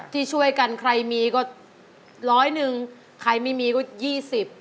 ที่ช่วยกันใครมีก็ร้อยหนึ่งใครไม่มีก็ยี่สิบ